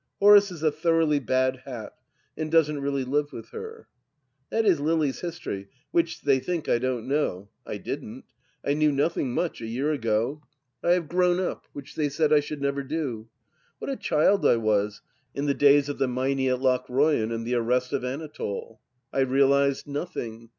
Horace is a thoroughly bad hat, and doesn't really live with her. That is Lily's history, which they think I don't know, I didn't. I knew nothing much a year ago. I have grown THE LAST DITCH 228 up, which they said I should never do. What a child I was in the days of The Meinie at Loohroyan and the arrest of Anatole !... I realized nothing.